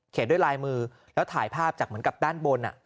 ด้วยลายมือแล้วถ่ายภาพจากเหมือนกับด้านบน